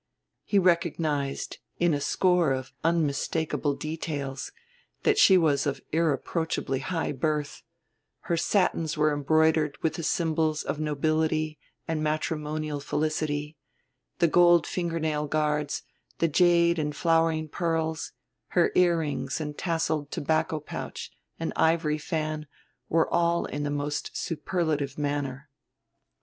He recognized, in a score of unmistakable details, that she was of irreproachably high birth; her satins were embroidered with the symbols of nobility and matrimonial felicity; the gold fingernail guards, the jade and flowering pearls, her earrings and tasseled tobacco pouch and ivory fan, were all in the most superlative manner.